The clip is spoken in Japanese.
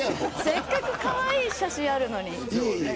せっかくかわいい写真あるのに。